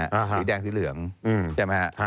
สีแดงสีเหลืองใช่ไหมฮะ